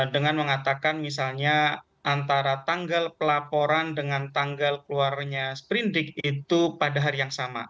dengan mengatakan misalnya antara tanggal pelaporan dengan tanggal keluarnya sprindik itu pada hari yang sama